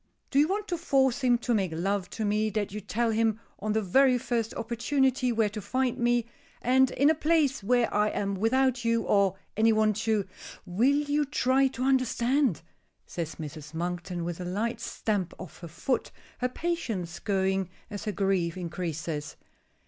Do you want to force him to make love to me, that you tell him on the very first opportunity where to find me, and in a place where I am without you, or any one to " "Will you try to understand?" says Mrs. Monkton, with a light stamp of her foot, her patience going as her grief increases.